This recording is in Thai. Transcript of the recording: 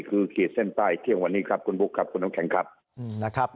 คุณพุทธครับคุณน้องแข็งครับ